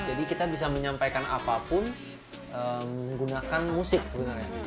jadi kita bisa menyampaikan apapun menggunakan musik sebenarnya